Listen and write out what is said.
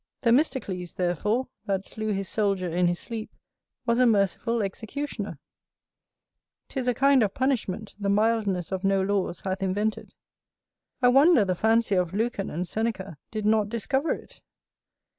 Themistocles therefore, that slew his soldier in his sleep, was a merciful executioner: 'tis a kind of punishment the mildness of no laws hath invented; I wonder the fancy of Lucan and Seneca did not discover it.